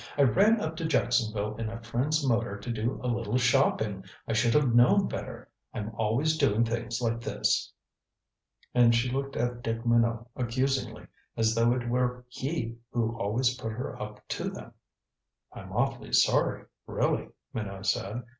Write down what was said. "I ran up to Jacksonville in a friend's motor to do a little shopping. I should have known better. I'm always doing things like this." And she looked at Dick Minot accusingly, as though it were he who always put her up to them. "I'm awfully sorry, really," Minot said.